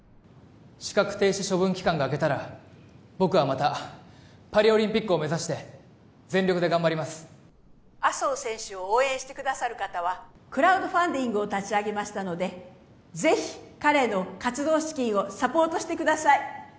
資格停止処分期間が明けたら僕はまたパリオリンピックを目指して全力で頑張ります麻生選手を応援してくださる方はクラウドファンディングを立ち上げましたのでぜひ彼の活動資金をサポートしてください